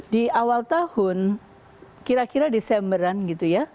di awal tahun kira kira desemberan gitu ya